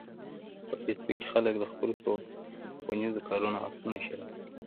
په فېسبوک کې خلک د خپلو ښوونیزو کارونو عکسونه شریکوي